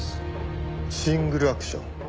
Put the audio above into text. シングルアクション？